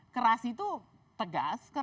keras itu tegas